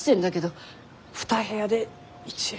２部屋で１円。